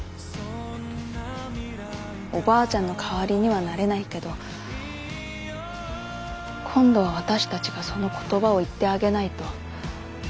おばあちゃんの代わりにはなれないけど今度は私たちがその言葉を言ってあげないと。